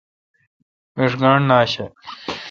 میݭ گانٹھ نہ آشہ۔